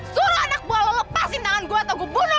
suruh anak buah lo lepasin tangan gue atau gue bulo